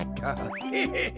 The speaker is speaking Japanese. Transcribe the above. ヘヘヘ。